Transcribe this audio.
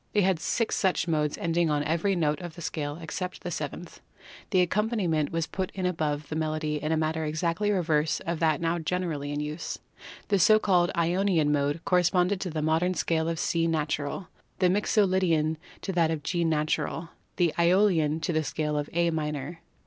They had six such modes ending on every note of the scale except the seventh. The accompaniment was put in above the melody in a manner exactly the reverse of that now generally in use. The so called Ionian Mode corresponded to the modern scale of C natural, the Mixo lydian to that of G natural, the iEolian to the scale of A minor.